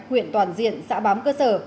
huyện toàn diện xã bám cơ sở